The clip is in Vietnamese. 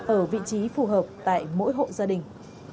ở vị trí phù hợp tại mỗi hộ gia đình